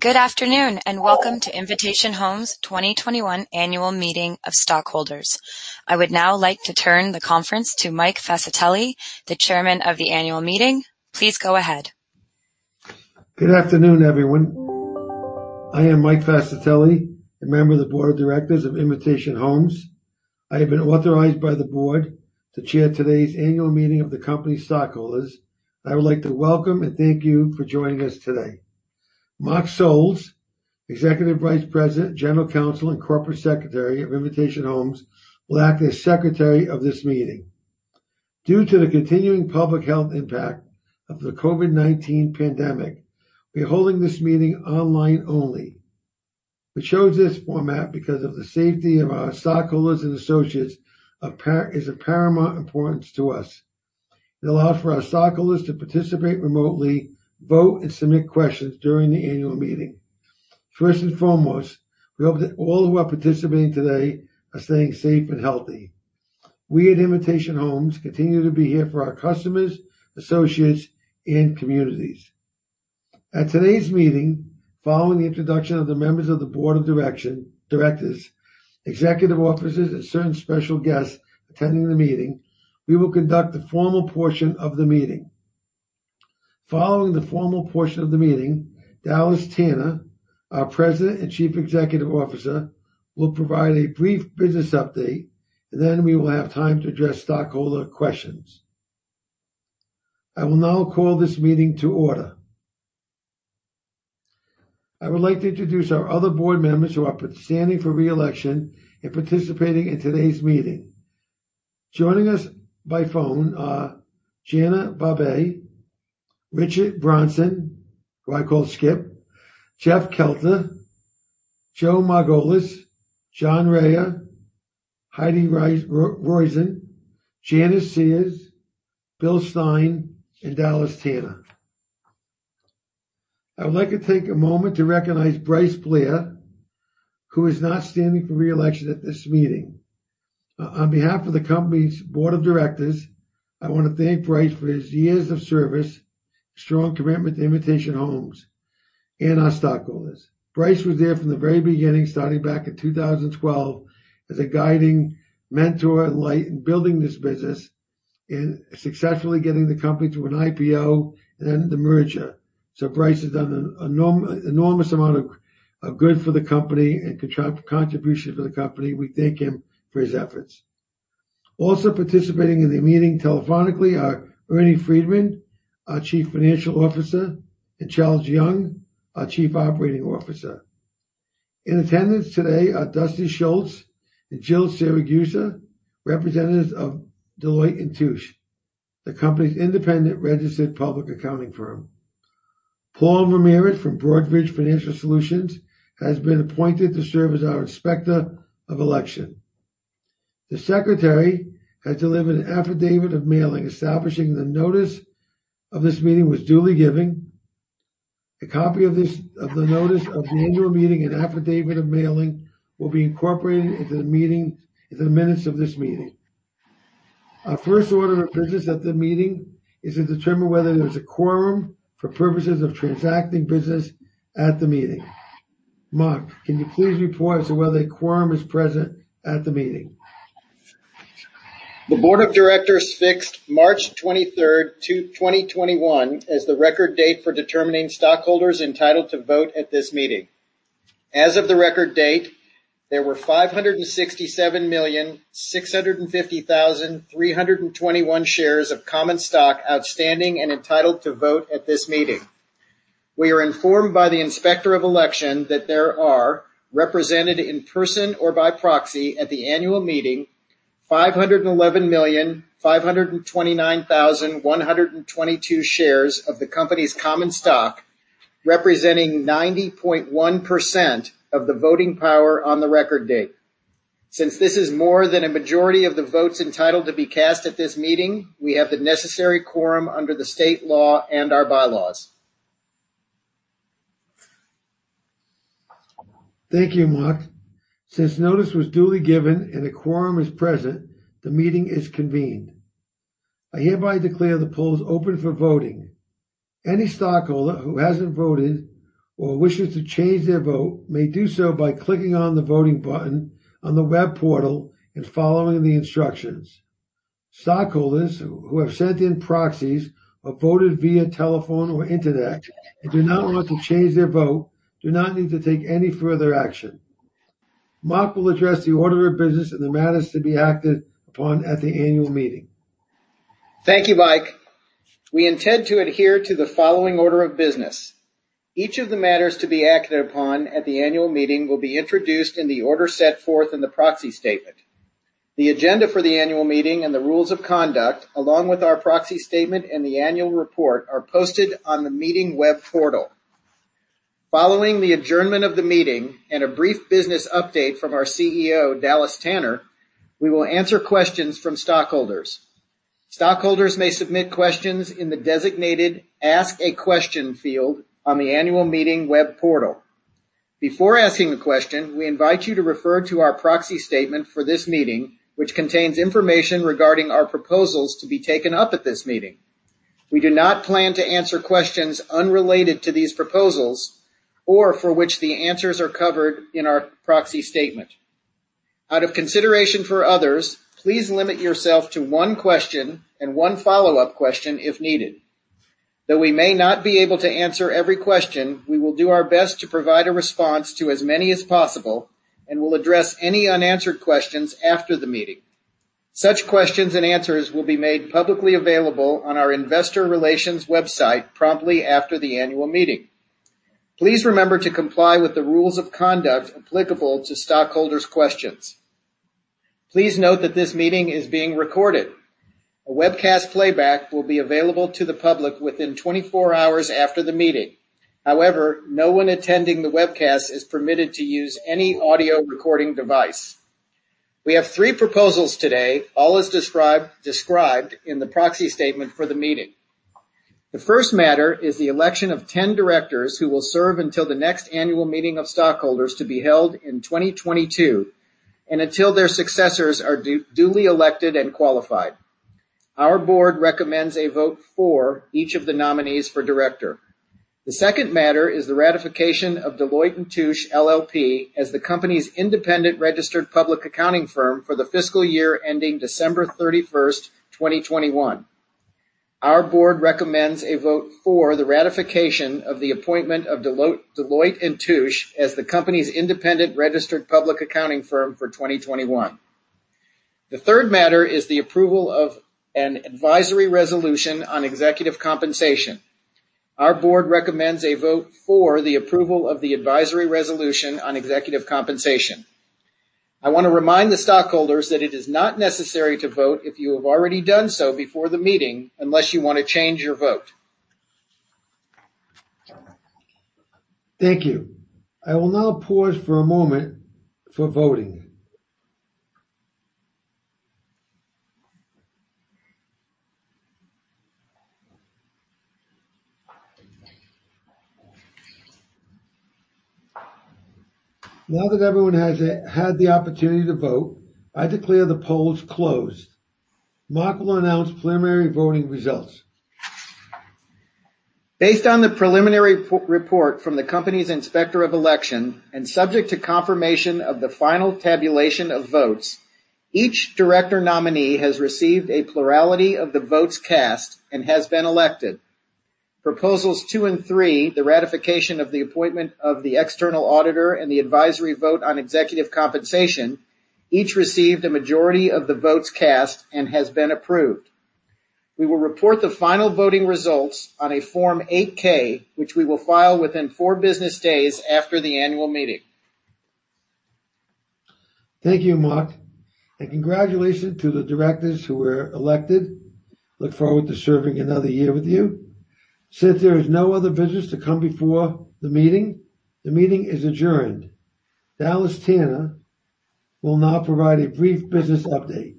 Good afternoon, welcome to Invitation Homes 2021 Annual Meeting of Stockholders. I would now like to turn the conference to Mike Fascitelli, the Chairman of the annual meeting. Please go ahead. Good afternoon, everyone. I am Mike Fascitelli, a member of the Board of Directors of Invitation Homes. I have been authorized by the board to chair today's annual meeting of the company stockholders. I would like to welcome and thank you for joining us today. Mark Solls, Executive Vice President, General Counsel, and Corporate Secretary of Invitation Homes, will act as Secretary of this meeting. Due to the continuing public health impact of the COVID-19 pandemic, we're holding this meeting online only. We chose this format because of the safety of our stockholders and associates is of paramount importance to us. It allows for our stockholders to participate remotely, vote, and submit questions during the annual meeting. First and foremost, we hope that all who are participating today are staying safe and healthy. We at Invitation Homes continue to be here for our customers, associates, and communities. At today's meeting, following the introduction of the members of the Board of Directors, executive officers, and certain special guests attending the meeting, we will conduct the formal portion of the meeting. Following the formal portion of the meeting, Dallas Tanner, our President and Chief Executive Officer, will provide a brief business update, and then we will have time to address stockholder questions. I will now call this meeting to order. I would like to introduce our other board members who are standing for re-election and participating in today's meeting. Joining us by phone are Jana Barbe, Richard Bronson, who I call Skip, Jeff Kelter, Joe Margolis, John Rhea, Heidi Roizen, Janice Sears, Bill Stein, and Dallas Tanner. I would like to take a moment to recognize Bryce Blair, who is not standing for re-election at this meeting. On behalf of the company's Board of Directors, I want to thank Bryce for his years of service, strong commitment to Invitation Homes, and our stockholders. Bryce was there from the very beginning, starting back in 2012, as a guiding mentor and light in building this business and successfully getting the company through an IPO and the merger. Bryce has done an enormous amount of good for the company and contribution to the company. We thank him for his efforts. Also participating in the meeting telephonically are Ernie Freedman, our Chief Financial Officer, and Charles Young, our Chief Operating Officer. In attendance today are Dustin Schultz and Jill Siragusa, representatives of Deloitte & Touche, the company's independent registered public accounting firm. Paul Ramirez from Broadridge Financial Solutions has been appointed to serve as our Inspector of Election. The secretary has delivered an affidavit of mailing establishing the notice of this meeting was duly given. A copy of the notice of the annual meeting and affidavit of mailing will be incorporated into the minutes of this meeting. Our first order of business at the meeting is to determine whether there's a quorum for purposes of transacting business at the meeting. Mark, can you please report as to whether a quorum is present at the meeting? The Board of Directors fixed March 23rd, 2021, as the record date for determining stockholders entitled to vote at this meeting. As of the record date, there were 567,650,321 shares of common stock outstanding and entitled to vote at this meeting. We are informed by the Inspector of Election that there are, represented in person or by proxy at the annual meeting, 511,529,122 shares of the company's common stock, representing 90.1% of the voting power on the record date. Since this is more than a majority of the votes entitled to be cast at this meeting, we have the necessary quorum under the state law and our bylaws. Thank you, Mark. Since notice was duly given and a quorum is present, the meeting is convened. I hereby declare the polls open for voting. Any stockholder who hasn't voted or wishes to change their vote may do so by clicking on the voting button on the web portal and following the instructions. Stockholders who have sent in proxies or voted via telephone or Internet and do not want to change their vote do not need to take any further action. Mark will address the order of business and the matters to be acted upon at the annual meeting. Thank you, Mike. We intend to adhere to the following order of business. Each of the matters to be acted upon at the annual meeting will be introduced in the order set forth in the proxy statement. The agenda for the annual meeting and the rules of conduct, along with our proxy statement and the annual report, are posted on the meeting web portal. Following the adjournment of the meeting and a brief business update from our CEO, Dallas Tanner, we will answer questions from stockholders. Stockholders may submit questions in the designated Ask a Question field on the annual meeting web portal. Before asking a question, we invite you to refer to our proxy statement for this meeting, which contains information regarding our proposals to be taken up at this meeting. We do not plan to answer questions unrelated to these proposals, or for which the answers are covered in our proxy statement. Out of consideration for others, please limit yourself to one question and one follow-up question if needed. Though we may not be able to answer every question, we will do our best to provide a response to as many as possible, and will address any unanswered questions after the meeting. Such questions and answers will be made publicly available on our investor relations website promptly after the annual meeting. Please remember to comply with the rules of conduct applicable to stockholders' questions. Please note that this meeting is being recorded. A webcast playback will be available to the public within 24 hours after the meeting. However, no one attending the webcast is permitted to use any audio recording device. We have three proposals today, all as described in the proxy statement for the meeting. The first matter is the election of 10 directors who will serve until the next annual meeting of stockholders to be held in 2022, and until their successors are duly elected and qualified. Our board recommends a vote for each of the nominees for director. The second matter is the ratification of Deloitte & Touche LLP as the company's independent registered public accounting firm for the fiscal year ending December 31st, 2021. Our board recommends a vote for the ratification of the appointment of Deloitte & Touche as the company's independent registered public accounting firm for 2021. The third matter is the approval of an advisory resolution on executive compensation. Our board recommends a vote for the approval of the advisory resolution on executive compensation. I want to remind the stockholders that it is not necessary to vote if you have already done so before the meeting, unless you want to change your vote. Thank you. I will now pause for a moment for voting. Now that everyone has had the opportunity to vote, I declare the polls closed. Mark will announce preliminary voting results. Based on the preliminary report from the company's Inspector of Election and subject to confirmation of the final tabulation of votes, each director nominee has received a plurality of the votes cast and has been elected. Proposals 2 and 3, the ratification of the appointment of the external auditor and the advisory vote on executive compensation, each received a majority of the votes cast and has been approved. We will report the final voting results on a Form 8-K, which we will file within four business days after the annual meeting. Thank you, Mark. Congratulations to the directors who were elected. Look forward to serving another year with you. Since there is no other business to come before the meeting, the meeting is adjourned. Dallas Tanner will now provide a brief business update.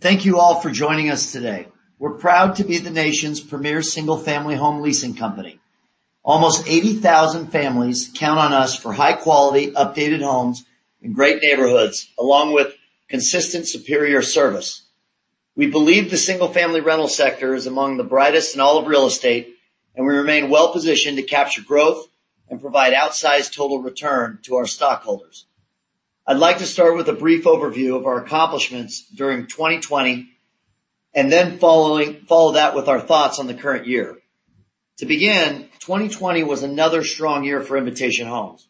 Thank you all for joining us today. We're proud to be the nation's premier single-family home leasing company. Almost 80,000 families count on us for high-quality, updated homes in great neighborhoods, along with consistent superior service. We believe the single-family rental sector is among the brightest in all of real estate, and we remain well-positioned to capture growth and provide outsized total return to our stockholders. I'd like to start with a brief overview of our accomplishments during 2020, and then follow that with our thoughts on the current year. To begin, 2020 was another strong year for Invitation Homes.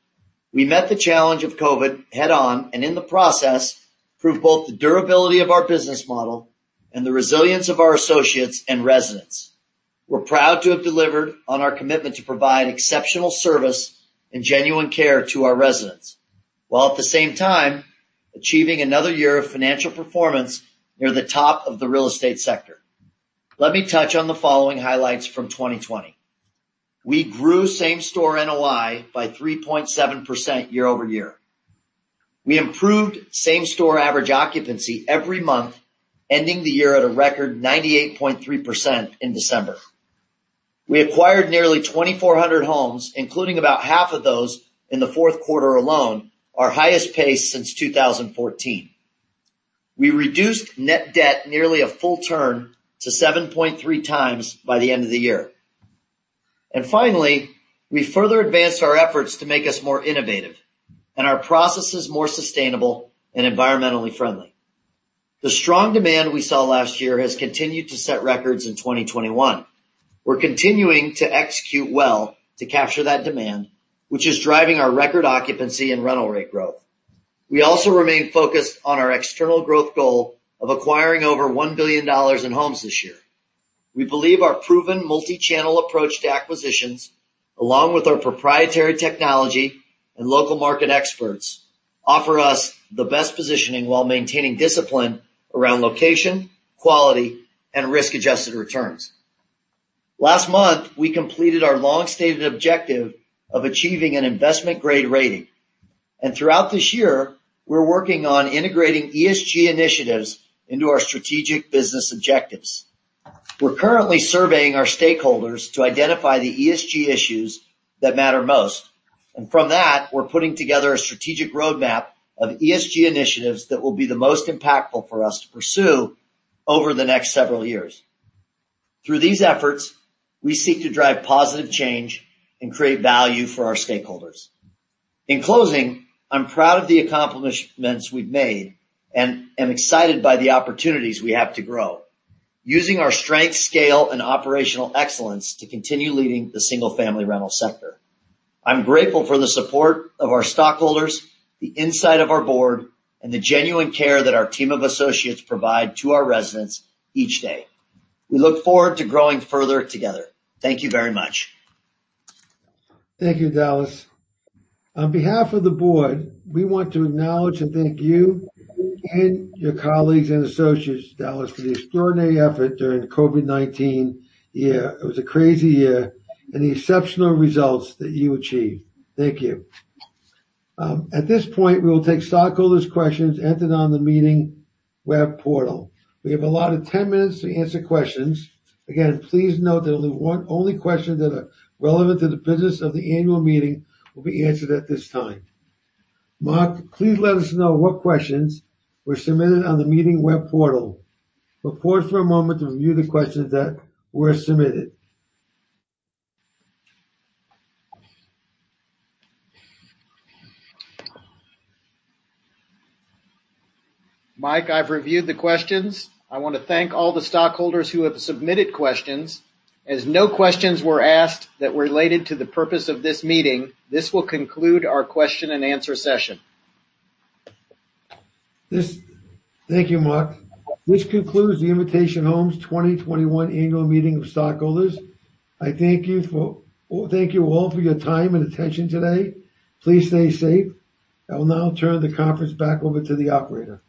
We met the challenge of COVID head-on, and in the process, proved both the durability of our business model and the resilience of our associates and residents. We're proud to have delivered on our commitment to provide exceptional service and genuine care to our residents, while at the same time achieving another year of financial performance near the top of the real estate sector. Let me touch on the following highlights from 2020. We grew same-store NOI by 3.7% year-over-year. We improved same-store average occupancy every month, ending the year at a record 98.3% in December. We acquired nearly 2,400 homes, including about half of those in the fourth quarter alone, our highest pace since 2014. We reduced net debt nearly a full turn to 7.3x by the end of the year. Finally, we further advanced our efforts to make us more innovative, and our processes more sustainable and environmentally friendly. The strong demand we saw last year has continued to set records in 2021. We're continuing to execute well to capture that demand, which is driving our record occupancy and rental rate growth. We also remain focused on our external growth goal of acquiring over $1 billion in homes this year. We believe our proven multi-channel approach to acquisitions, along with our proprietary technology and local market experts, offer us the best positioning while maintaining discipline around location, quality, and risk-adjusted returns. Last month, we completed our long-stated objective of achieving an investment-grade rating. Throughout this year, we're working on integrating ESG initiatives into our strategic business objectives. We're currently surveying our stakeholders to identify the ESG issues that matter most, and from that, we're putting together a strategic roadmap of ESG initiatives that will be the most impactful for us to pursue over the next several years. Through these efforts, we seek to drive positive change and create value for our stakeholders. In closing, I'm proud of the accomplishments we've made and am excited by the opportunities we have to grow using our strength, scale, and operational excellence to continue leading the single-family rental sector. I'm grateful for the support of our stockholders, the insight of our board, and the genuine care that our team of associates provide to our residents each day. We look forward to growing further together. Thank you very much. Thank you, Dallas. On behalf of the board, we want to acknowledge and thank you and your colleagues and associates, Dallas, for the extraordinary effort during COVID-19 year. It was a crazy year, and the exceptional results that you achieved. Thank you. At this point, we will take stockholders' questions entered on the meeting web portal. We have allotted 10 minutes to answer questions. Again, please note that only questions that are relevant to the business of the annual meeting will be answered at this time. Mark, please let us know what questions were submitted on the meeting web portal. We'll pause for a moment to review the questions that were submitted. Mike, I've reviewed the questions. I want to thank all the stockholders who have submitted questions. As no questions were asked that related to the purpose of this meeting, this will conclude our question-and-answer session. Thank you, Mark. This concludes the Invitation Homes 2021 annual meeting of stockholders. Thank you all for your time and attention today. Please stay safe. I will now turn the conference back over to the operator.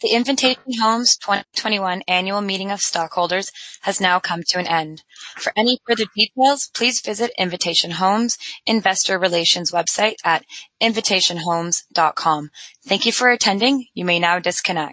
The Invitation Homes 2021 annual meeting of stockholders has now come to an end. For any further details, please visit Invitation Homes investor relations website at invitationhomes.com. Thank you for attending. You may now disconnect.